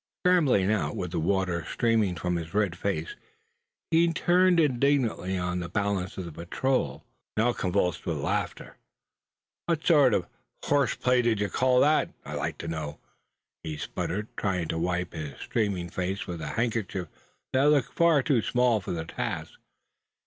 Scrambling out, with the water streaming from his red face, he turned indignantly on the balance of the patrol, now convulsed with laughter. "What sort of horse play d'ye call that I'd like to know?" he sputtered, trying to wipe his streaming face with a handkerchief that looked far too small for the task.